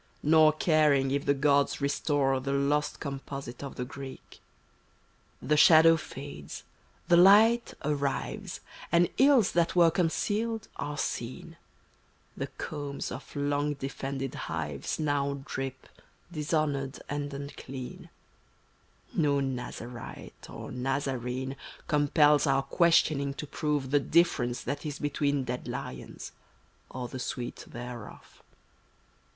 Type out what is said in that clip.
Nor caring if th^ gods restore The lost composite of the Greek. il26] The shadow fades, the light arrives, And ills that were concealed are seen; The combs of long defended hives Now drip dishonored and unclean; No Nazarite or Nazarene Compels our questioning to prove The difference that is between Dead lions — or the sweet thereof.